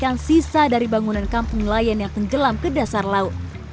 yang sisa dari bangunan kampung nelayan yang tenggelam ke dasar laut